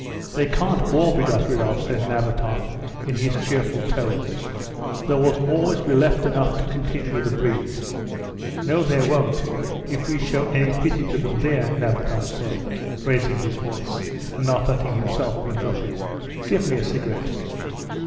"They can't all be got rid off," said Nabatoff, in his cheerful tones. "There will always be left enough to continue the breed. No, there won't, if we show any pity to them there," Nabatoff said, raising his voice; and not letting himself be interrupted, "Give me a cigarette."